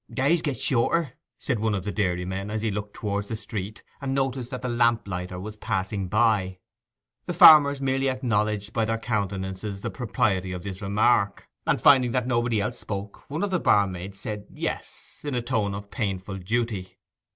'Days get shorter,' said one of the dairymen, as he looked towards the street, and noticed that the lamp lighter was passing by. The farmers merely acknowledged by their countenances the propriety of this remark, and finding that nobody else spoke, one of the barmaids said 'yes,' in a tone of painful duty.